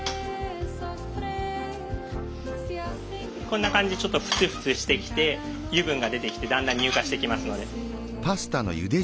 こんな感じでちょっとフツフツしてきて油分が出てきてだんだん乳化してきますので。